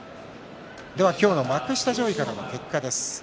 今日の幕下上位からの結果です。